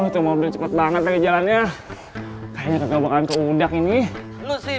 aduh tuh mau cepet banget ya jalannya kayaknya nggak bakal keudak ini lu sih